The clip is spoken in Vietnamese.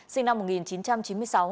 sinh năm một nghìn chín trăm chín mươi